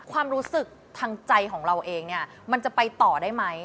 ความรู้สึกทางใจของเราเองเนี่ยมันจะไปต่อได้ไหม